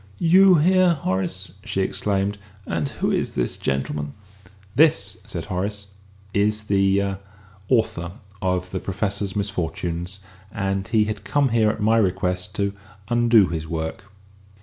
"You here, Horace?" she exclaimed. "And who is this gentleman?" "This," said Horace, "is the er author of the Professor's misfortunes, and he had come here at my request to undo his work."